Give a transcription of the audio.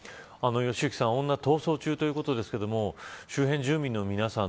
良幸さん、女逃走中ということですが周辺住民の皆さん